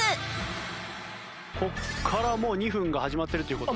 ここからもう２分が始まってるという事。